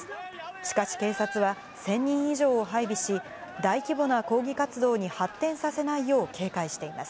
しかし警察は、１０００人以上を配備し、大規模な抗議活動に発展させないよう、警戒しています。